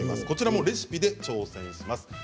こちらもレシピで挑戦します。